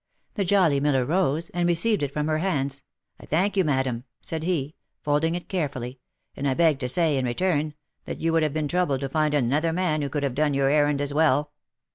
The jolly miller rose, and received it from her hands. " I thank you, madam," said he, folding it care fully, " and I beg to say, in return, that you would have been troubled to find another man who could have done your errand as well."